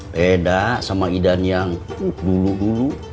beda sama idan yang dulu dulu